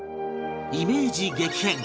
イメージ激変！